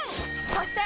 そして！